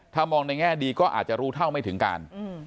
ถ้ามองในแง่ดีก็อาจจะรู้เท่าไม่ถึงการ